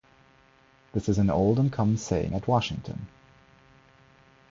This is an old and common saying at Washington.